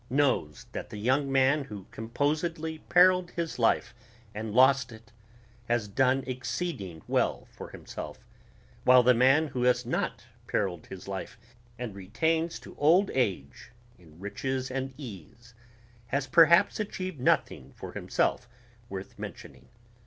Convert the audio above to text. knows that the young man who composedly perilled his life and lost it has done exceeding well for himself, while the man who has not perilled his life and retains to old age in riches and ease has perhaps achieved nothing for himself worth mentioning